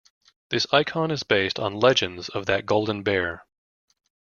This icon is based on legends of that golden bear.